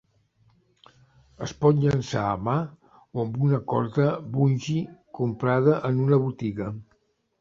Es pot llançar a mà o amb una corda bungee comprada en una botiga.